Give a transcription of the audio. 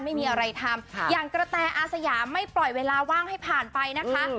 ไม่มีอะไรทำอย่างกระแตอาสยามไม่ปล่อยเวลาว่างให้ผ่านไปนะคะ